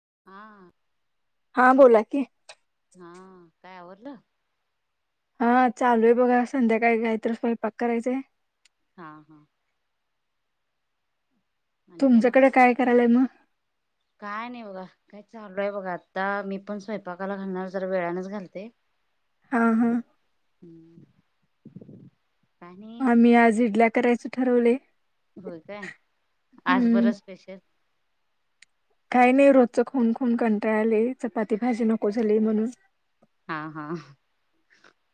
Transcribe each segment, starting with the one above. [inaudible] हा [inaudible] हा बोला की [inaudible] हा काय आवडलं [inaudible] हा चालू आहे बघा संध्याकाळी काहीत स्वयंपाक करायचाय [inaudible] हा हा [inaudible] आणि मग तुमच्याकडे काय करायलाय मग [inaudible] काय नाही बघा काय चालू आहे बघा आता मी पण स्वयंपाकाला घालणार जरा वेळानेच घालते [inaudible] हा हा [inaudible] [inaudible] आम्ही आज इडल्या करायच ठरवले [inaudible] होय काय आज हम्म बरं स्पेशल [inaudible] काही नाही रोजच खून खून कंटाळ आले चपाती भाजी नको झाली म्हणून [inaudible] हा हा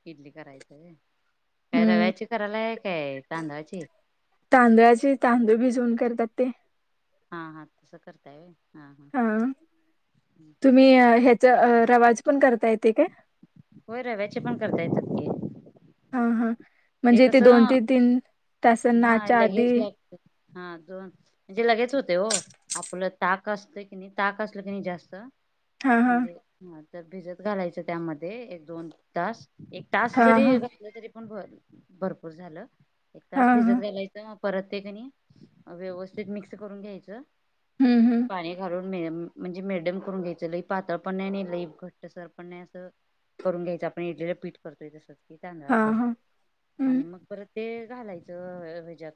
इडली करायचंय [inaudible] काय हम्म रव्याची करायलाय काय तांदवाची तांदळाची तांदूळ [inaudible] करतात [inaudible] हा हा तसं करताय [inaudible] हा तुम्ही ह्याचा रवाज पण करता येते काय [inaudible] होय रव्याचे पण करता येतात की [inaudible] हा हा ते म्हणजे तेे कसं दोन ते तीन तासांना हा आच्या आधी लगेच [inaudible] हा दोन म्हणजे लगेच होते हो आपलं ताक असत की नाही ताक असलं की नाही जास्त [inaudible] म्हणजे हा तर भिजत घालायचं त्यामध्ये एक दोन तास एक तास हा जरी हा घातलं तरी पण भरपूर झालं एक हा तास भिजत हा घालायचं [inaudible] परत ते कणी व्यवस्थित मिक्स करून घ्यायचं हम्म हम्म पाणी घालून [inaudible] म्हणजे मेडम करून घ्यायच ल पातळ पण नाहीेल घट्ट सर पण नाही असं [inaudible] करून घ्यायचं आपण इडलीला पीठ करतोय तसच कि हा तांदळाचं हा हम्म आणि मग परत [inaudible] ते घालायचं ह्याच्यात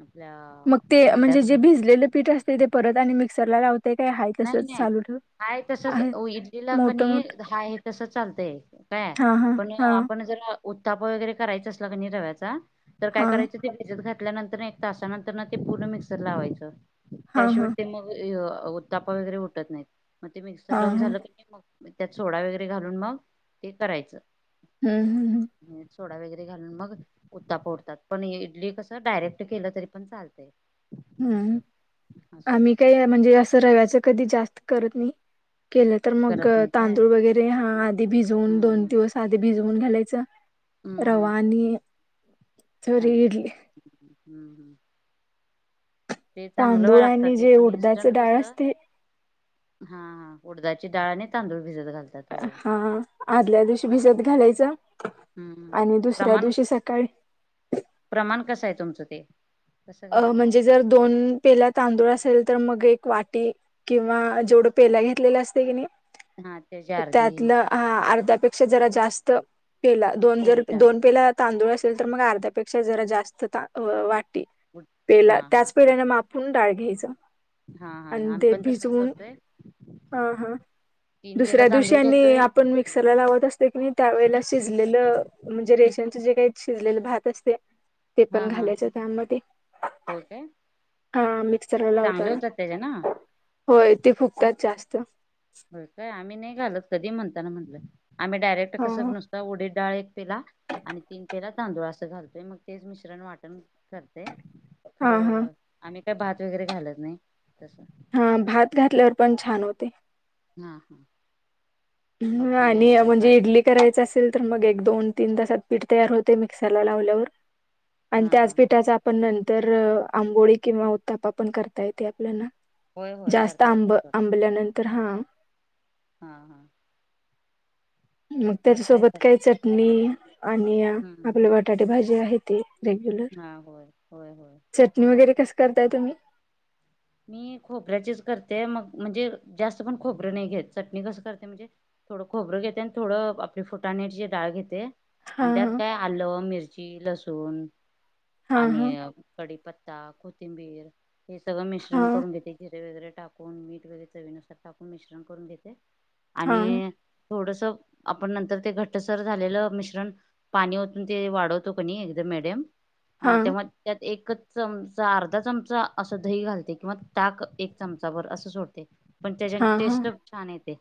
[inaudible] [inaudible] मग ते भांड्यात म्हणजे जे घालून भिजलेले पीठ असते ते परत आणि मिक्सरला लावते काय हय नाही तसच चालू ठेव [inaudible] हाय तसच आहे इडलीला मोठं कणी मोठं हाय हे तस चालतय काय हां हां पण हां आपण जर उत्थाप वगैरे करायचं असला क नि रव्याचा तर काय हां करायचं ते भिजत खात [inaudible] ल्यानंतर एक तासानंतर ते पूर्ण मिक्सर लावायचं हां त्याशिवाय हां ते मग [inaudible] तापा वगैरे उटत नाहीत मग ते मिक्सर हां हां लावून हं झालं क नाही मग [inaudible] त्यात सोडा वगैरे घालून मग ते करायचं [inaudible] [inaudible] हम्म हम्म हम् [inaudible] सोडा वगैरे घालून मग उत्ता पोडतात पण इडली कसं डायरेक्ट केलं तरी पण चालते [inaudible] हम्म आम्ही काही म्हणजे असं रव्याच कधी जास्त करत नाही [inaudible] केलं तर मग करत नाही काय तांदूळ वगैरे हा आधी भिजून हम्म दोन हम्म दिवस आधी भिजून [inaudible] घालायच रवा आणि [inaudible] सॉरी चग इडली हम्म हम्म ते [inaudible] चांगलं तांदूळ लागतात आणि ते जे पण उडदाच इन्स्टंट डाळ कसं असते [inaudible] हा हा उडदाची डळने तांदूळ भिजत घालतात [inaudible] होय हा आदल्या दिवशी भिजत घालायच [inaudible] हम्म प्रमाण सकाळी प्रमाण कस आहे तुमचं ते कसं [inaudible] अ घालताय म्हणजे जर दोन पेला तांदूळ असेल [inaudible] तर मग एक वाटी किंवा जेवढं पेला घेतलेला असते की नाही हा त्याची अर्धी त्यातलं हा अर्ध्यापेक्षा जरा जास्त पेला दोन जर उडीडाळ दोन पेला तांदूळ असेल तर मग अर्ध्यापेक्षा जरा जास्त वाटी हा पेला हा त्याच ते पेल्याने मापून डाळ घ्यायच. हा हा आम्ही पण तसच करतोय. हा हा. तीन पेला दुसऱ्या दिवशी तांदूळ आणि घेतोय आपण मिक्सरला लावत असतोय कनी त्यावेळी शिजलेलं म्हणजे रेशन जे काही शिजलेल भात असतय ते हा पण हा घालायच त्यामध्ये हो काय हा म चांगले होतात त्याज्यान होय ते फुगतात जास्त बर काय आम्ही नाही घालत कधी म्हणताना म्हटलं आम्ही डायरेक्ट हा कसं नुसत उडीत डाळ पेला आणि तीन पेला तांदूळ अस घालतोय मग तेच मिश्रण वाटण करतय. हां, हां. खरं आम्ही काय भात वगैरे घालत नाही. हा भात घातल्यावर पण छान होतय. हा हा. ह बघते का आणि एकदा म्हणजे ट्राय इडली करून करायच असेल तर मग एक, दोन तीन तासात पीठ तयार होतय मिक्सरला लावल्यावर आणि हा त्याच हा पीठाच आपण तर आंबोळी किंवा उतापा पण करता येते आपल्याला होय होय जास्त करता आंब येतात आंबल्यानंतर हा हा हा. मग करता त्याच्यासोबत येतात काय चटणी आणि हम्म आपले बटाटे भाजी आहे ती रेग्युलर. हा होय होय होय चटणी वगैरे कस करताय तुम्ही? मी खोबऱ्याचीच करते. मग म्हणजे जास्त पण खोबरं नाही घेत चटणी कसं करते म्हणजे थोडं खोबरं घेते आणि थोडं आपली फुटानेची डाळ घेते. आणि हां, त्यात हां. काय आलं, मिरची, लसूण हां, हां. आणि कडीप त्ता, कोथिंबीर हे सग मिश्रण करून घेते जिरे वगैरे टाकून, मीठ वगैरे चवीनुसार टाकून मिश्रण करून घेते. हां, हां. आणि थोडंस आपण नंतर ते घटसर झालेलं मिश्रण पाणी वोतून ते वाढवतो कणी एकदम मीडियम हा ते हां, मग त्यात एकच चमचा अर्धा चमचा असं दही घालते. किंवा ताक एक चमचाभर असं सोडते. पण त्याच्यान हां, हां. टेस्ट छान येते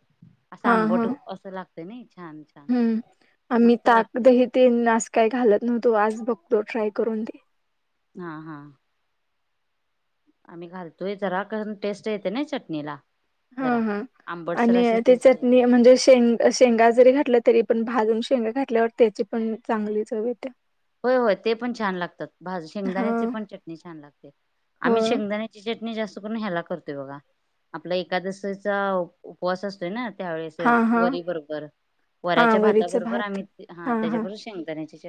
असं हां, आंबट हां. असं लागतय नाई. हम्म आम्ही ताक, दही तेन आस काही घालत नव्हतो आज तो ट्राय करून ते हा हा. आम्ही घालतोय जरा कारण टेस्ट येते ना चटणीला हा जरा हा. आंबटसर आणि अशी ते टेस्ट येत्या चटणी म्हणजे शेंग शेंगा जरी घातलं तरी पण भाजून शेंगा घातल्यावर त्याची पण चांगली चव येते. होय होय ते पण छान लागतात भाज हा शेंगदाण्याची पण चटणी छान लागते. हो आम्ही शेंगदाण्याची चटणी जास्त करून ह्याला करतोय बघा आपला एकादशीचा उपवास असतोय ना त्यावेेळेस हा हा. वरी बरोबर हा वऱ्याच्या वरीच भाताबरोबर भात आम्ही हा त्याच्याबरोबर शेंगदाण्याची च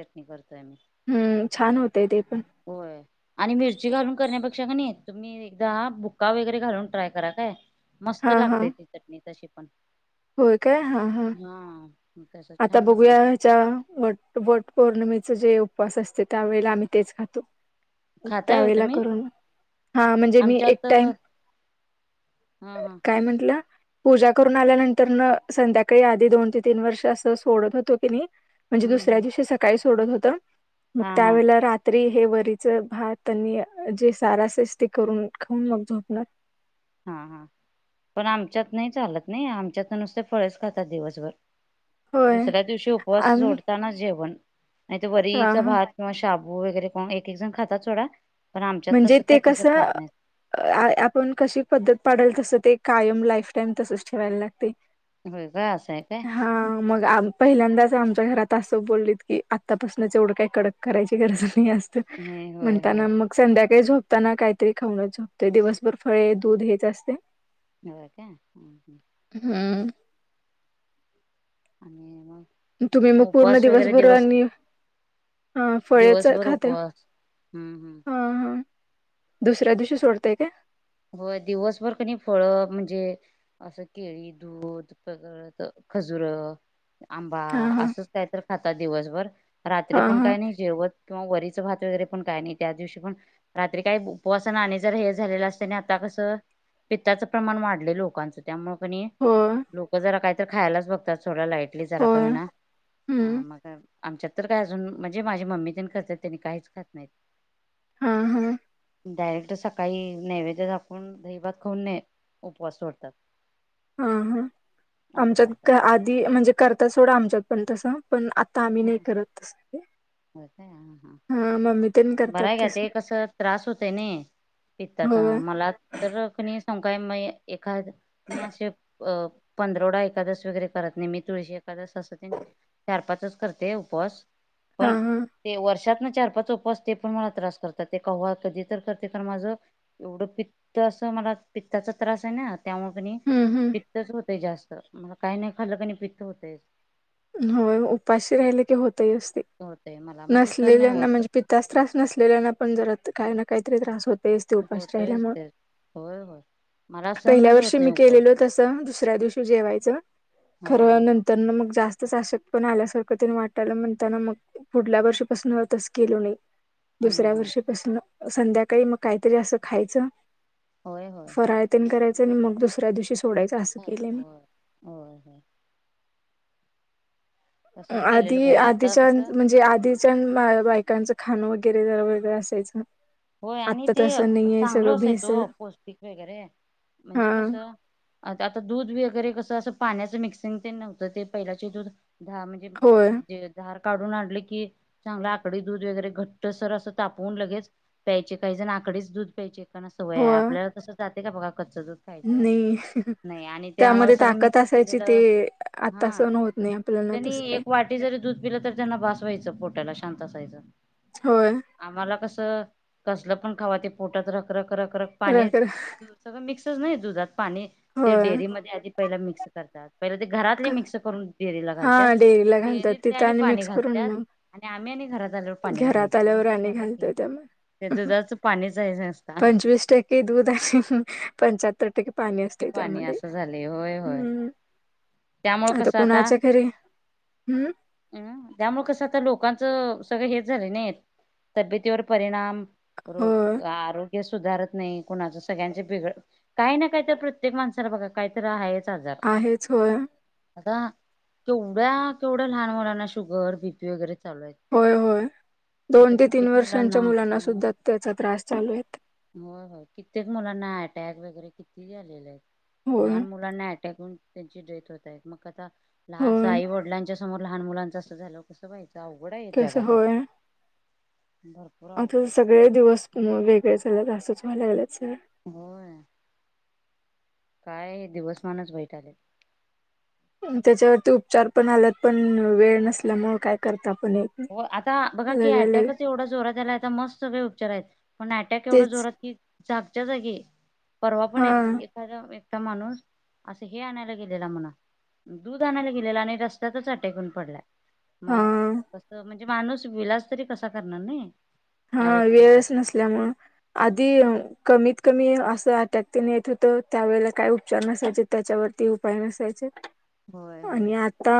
हम्म छान होतय ते पण होय. आणि मिरची घालून करण्यापेक्षा कनी तुम्ही एकदा बुक्का वगैरे घालून ट्राय करा काय मस्त हा हा. लागते ती चटणी तशी पण होय काय? हा हा. तस आता छान लागते. बघूया ह्याच्या वट वट पौर्णिमेचं जेव पास असते त्यावेळेला आम्ही तेच खातो. खाताय होय त्यावेेळेला तुम्ही करून हा म्हणजे मी एक आमच्यात टाइम हा हा काय म्हटलं? पूजा करून आल्यानंतर न संध्याकाळी आधी दोन ते तीन वर्ष असं सोडत होतो की नी म्हणजे हम्म दुसऱ्या हम्म दिवशी सकाळी सोडत होत मग हा हा त्यावेळेला रा त्रि हे वरीच भात त्यांनी जे सार असेस ते करून खाऊन मग झोपणार. हा हा पण आमच्यात नाही चालत नाही आमच्यात नुसते फळेच खातात दिवसभर. होय दुसऱ्या दिवशी उपवास आम्ही सोडताना च जेवण. नाही तर हा वरीचा हा भात किंवा शाबू वगैरे कोण एक एक जण खातात सोडा. पण आमच्यात म्हणजे तसं ते काय तसं कस खात नाहीत आपण कशी पद्धत पाडल तसं ते कायम लाईफ टाईम तसच ठेवायला लागत होय काय असं आहे काय हा मग? पहिल्यांदाच आमच्या घरात असं बोललीत की आत्तापासूनच एवढं काही कडक करायची गरज नाही अस नाही होय होय म्हणताना मग द्याकाळी झोपताना काहीतरी खाऊनच झोपतोय. दिवसभर फळे दूध हेच असतय. हो का? हम्म आणि मग तुम्ही मग पूर्ण उपवास वगैरे दिवसभर दिवस आणि हा फळेच दिवसभर खाते उपवास हम्म हम्म हा हा दुसऱ्या दिवशी सोडतेय काय होय दिवसभर कनी फळ म्हणजे असं केळी दूध पगळत खजुर आंबा हा हा असंच काय तर खातात दिवसभर रात्री हा पण हा काही नाही जेवत किंवा वरीच भात वगैरे पण काय नाही त्या दिवशी पण रात्री काही उपवासना आणि जर हे झालेलं असत ता कस पित्ताच प्रमाण वाढलं लोकांच त्यामुळे होय लोक जरा काही तर खायलाच बघतात थोडं लाईटली जरा होय काना हम्म मग आमच्यात तर काय अजून म्हणजे माझी मम्मी त्यांनी खात त्यांनी काहीच खात नाहीत हा हा डायरेक्ट सकाळी नैवेद्य झाकून दहीभात खाऊन न उपवास सोडतात हा हा असं आमच्यात करतात आधी म्हणजे करता सोडा आमच्यात पण तसं पण आता आम्ही नाही करत असते हो ह करतात बरा घ्या तसं ते कस त्रास होतय ना पित्ताचा होय मला तर कणी काय म एखाद मी असे अ पंधरवडा एखादस वगैरे करत नाही मी तुळशी ए चार पाच करते उपवास पण हां, हां. ते वर्षात चार पाच उपवास ते पण मला त्रास करतात ते केव्हा कधी तर करते कारण माझं एवढं पित्त असं मला पित्ताचा त्रास आहे नाही त्यामुळे क हं, हं. पित्तच होतेय जास्त मला काही नाही खाल्लं क पित्त होतय हो उपाशी राहिले की होत होतय मला मग ते सहन नाही नसलेल्यांना होत म्हणजे पित्तास त्रास नसलेल्यांना पण जरा काही ना काहीतरी त्रास होतस ते उपाशी राहिल्या होतोयच म ते होय होय मला पहिल्या सहनच होत वर्षी नाही मी उपवास केलेलो तसं दुसऱ्या दिवशी जेवायचं हा हा खरवनंतर ना मग जास्त अशक्तपणा पण आल्यासारखं तिने वाटाला म्हणताना मग पुढल्या वर्षापासूनतच केलो नाही हा दुसऱ्या हा. वर्षीपासून संध्याकाळी मग काहीतरी असं खायचं होय होय फराळतेन करायचं आणि मग दुसऱ्या दिवशी सोडायचं असं ह केलंय मी. हो हो केलेलं आधी बरं आता आधीच्या कसं म्हणजे आधीच्या बायकांचं खाण वगैर वगैरे ज वगैरे असायचं होय आणि आत्ता ते तसं नाहीये चांगल सगळं असायचं भेसळ तो पौष्टिक वगैरे [inaudible] हा म्हणजे कसं आता दूध वगैरे कसं अस [inaudible] पाण्याच मिक्सिंग ते नव्हतं ते पहिलाचे दू म्हणजे होय जे [inaudible] काढून आणले की चांगला आकडी दूध वगैरे घट्ट सर असं तापवून लगेच ्यायचे काही जण आकडेच दूध प्यायचे काना सवय होय आपल्याला तसं जाते का बघा [inaudible] [inaudible] खायचं नाही नाही आणि ते आम्हाला त्यामध्ये सगळं ताकद मिक्स असायची ते केलेलं आता स न होत नाही [inaudible] आपल्याला त्यांनी तसं काय एक वाटी जरी दूध पिलं तरी त्यांना भासवायचं पोट टला शांत असायच होय आम्हाला कस कसल पण खावा ते पोटात रखरख [inaudible] क करक पाणी राखर सगळं मिक्सच नाही दुधात पाणी ते होय डेअरी मध्ये आधी पहिला मिक्स [inaudible] पहिले ते घरातले क- मिक्स करून रीला घालतात हा डेअरीला [inaudible] [inaudible] घालतात डेअरीतले तिथं आणि पाणी मिक्स करून घालतात मग आणि आम्ही आणि घरात आल्यावर [inaudible] पाणी घरात घालायचं आल्यावर म्हणजे राणी झालं की घालतोय ते त्यामुळे दुधाचं पाणीच आहे [inaudible] नसता पंचवीस टके दूध पंचातर टके [inaudible] नक्की पाणी असं झालंय होय होय हम्म [inaudible] त्यामुळे कसं आता कुणाच्या घरी हम्म अम त्यामुळे कसं आता लोकांच [inaudible] सग हे झा नाही तब्येवर परिणाम होय आरो [inaudible] सुधारत नाही कुणाच सगळ्यांचे बेगडं काही ना काही तर प्रत्येक माणसाला बघा कायत आहे [inaudible] आहेच होय [inaudible] आता केवढ्या केवढ्या लहान मुलांना शुगर बीपी वगैरे चालू आहेत [inaudible] होय होय दोन आता ते तीन कित्येक वर्षांच्या मुलांना सुद्धा त्याचा त्रास चालू आहेेत [inaudible] हो होय कित्येक मुलांना आहे [inaudible] अटॅक वगैरे किती झालेले आहेत होय लहान मुलांना अटॅक होन त्यांची डेथ होतय मग आता [inaudible] ल अस होय आई वडलांच्या समोर लहान मुलांचं असं झालं कसं पाहिचं [inaudible] अवघडा आहे कसं जगात आता होय भरपूर [inaudible] अवघड आहे आता सगळे दिवस वेगळे झालेत असंच म्हालागला [inaudible] होय [inaudible] काय दिवसमानच वाईट आले [inaudible] त्याच्यावरती उपचार पण आल्यात पण वेळ नसल्यामुळे काय करतात [inaudible] हो आता बघा की अटॅकच एवढा जोरात त्याला आता मस्त सगळे उपचार आहेत पण अटॅक एवढा तेच जोरात की [inaudible] जागच्या जागी परवा पण हा एक एखाद्या [inaudible] माणूस असं हे आणायला गेलेला म्हणा [inaudible] दूध आणायला गेलेला आणि रस्त्यातच अटेकून पडलाय हा मग [inaudible] म्हणजे माणूस विलास तरी कसा करणार नाही [inaudible] त्या हा व्यक्तीवर. वेळच नसल्यामुळे आधी कमीत [inaudible] कमी असं टकतेने येत होत त्यावेेळेला काय उपचार नसायचे त्याच्यावरती उपाय नसायचे होय [inaudible] होय. आणि आता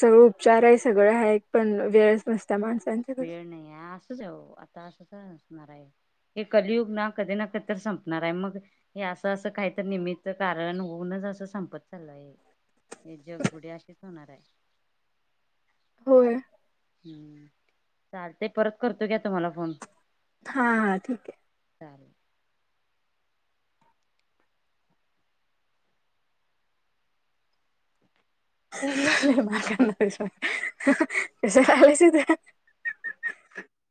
सगळं उपचार आहे सगळं हा एक पण वेळच नसत [inaudible] वेळ नाही असंचऊ आता असंचणार आहे [inaudible] हे कलियुग ना कधी ना कधी तर संपणार आहे मग हे असं असं काहीत नियमित् कारण होऊनच [inaudible] संपत चालला आहे हे जगबुडी असेच होणार आहे [inaudible] होय [inaudible] हम्म चालते परत करतो घ्या तुम्हाला फोन [inaudible] हा हा ठीक आहे चालेल [inaudible] [inaudible] मास आलेस ते [inaudible]